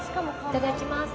いただきます。